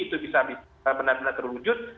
itu bisa benar benar terwujud